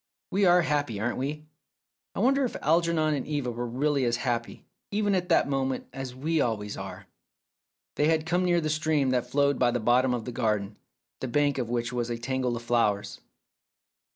We are happy, aren't we? I wonder if Algernon and Eva were really as happy, even at that moment, as we always are !" They had come near to the stream that flowed by the bottom of the garden, the bank of which was a tangle of flowers.